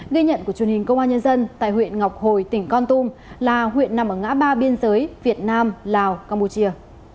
ghi nhận của truyền hình công an nhân dân tại huyện ngọc hồi tỉnh con tum là huyện nằm ở ngã ba biên giới việt nam lào campuchia